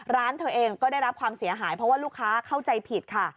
ร้านเธอเองก็ได้รับความเสียหายเพราะว่าลูกค้าเข้าใจผิดค่ะ